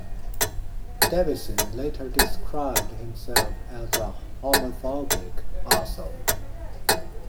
Davidson later described himself as a "homophobic arsehole".